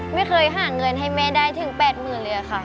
ไม่เคยหมาเงินให้เม็กได้ถึง๘๐๐๐๐บาทเลยนะค่ะ